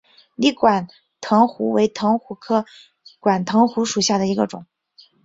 泥管藤壶为藤壶科管藤壶属下的一个种。